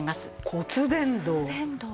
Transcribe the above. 骨伝導。